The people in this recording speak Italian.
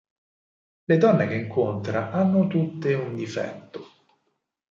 Le donne che incontra hanno tutte un "difetto".